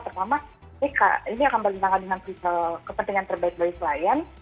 terutama ini akan berhentangan dengan kepentingan terbaik dari klien